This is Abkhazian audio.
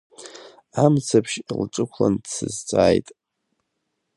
Амцаԥшь лҿықәлан дсызҵааит.